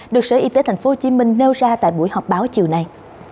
được sở y tế tp hcm nêu ra tại buổi họp báo chiều nay